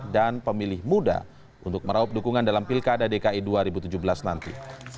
dan pemilih muda untuk merawap dukungan dalam pilkada dki dua ribu tujuh belas nanti